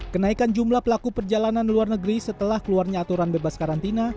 kenaikan jumlah pelaku perjalanan luar negeri setelah keluarnya aturan bebas karantina